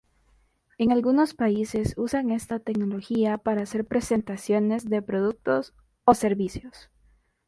En algunos países usan esta tecnología para hacer presentaciones de productos o servicios.